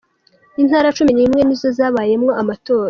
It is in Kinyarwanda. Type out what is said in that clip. Intara cumi n'imwe nizo zabayemwo amatora.